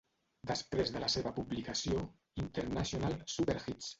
Després de la seva publicació, "International Superhits!"